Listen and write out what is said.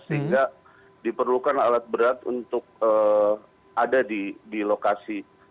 sehingga diperlukan alat berat untuk ada di lokasi